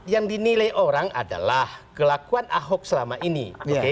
yang dinilai orang adalah kelakuan ahok selama ini